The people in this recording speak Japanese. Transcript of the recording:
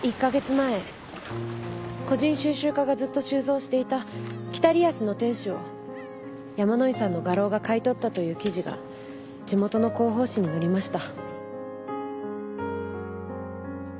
前個人収集家がずっと収蔵していた『北リアスの天使』を山井さんの画廊が買い取ったという記事が地元の広報誌に載りました。